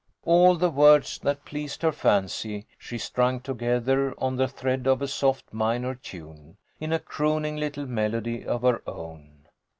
All the words that pleased her fancy she strung together on the thread of a soft minor tune, in a crooning little melody of her own.